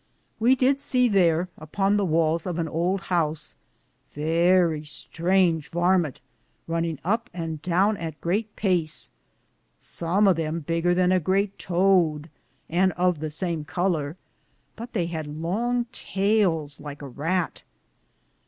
We did se thare, upon the wales of an oulde house, verrie strainge varmente Runing up and downe at great pace, som of them biger than a great toude, and of the same coUore, but they had longe tayles lyk a Ratt.